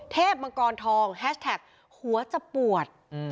มังกรทองแฮชแท็กหัวจะปวด